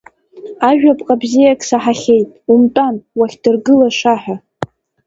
Ажәаԥҟа бзиак саҳахьеит, умтәан уахьдыргылаша ҳәа.